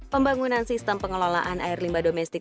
pembangunan sistem pengelolaan air limba domestik